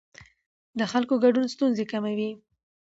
د خلکو ګډون ستونزې کموي